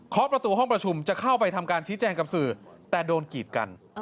ประตูห้องประชุมจะเข้าไปทำการชี้แจงกับสื่อแต่โดนกีดกัน